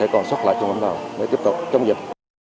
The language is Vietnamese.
còn soát lại trong ấm vào để tiếp tục chống dịch